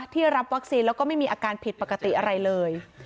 รับวัคซีนแล้วก็ไม่มีอาการผิดปกติอะไรเลย